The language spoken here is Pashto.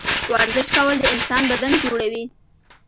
ورزش کول د انسان بدن جوړوي